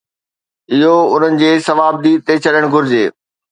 اهو انهن جي صوابديد تي ڇڏڻ گهرجي.